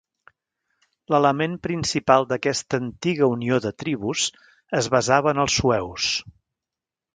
L'element principal d'aquesta antiga unió de tribus es basava en els sueus.